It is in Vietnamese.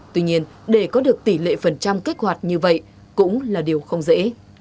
tuy nhiên để có được tỷ lệ phần trăm kích hoạt như vậy cũng là điều không dễ